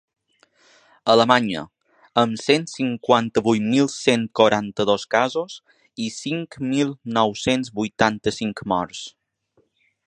Alemanya, amb cent cinquanta-vuit mil cent quaranta-dos casos i cinc mil nou-cents vuitanta-cinc morts.